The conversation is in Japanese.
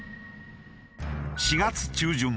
４月中旬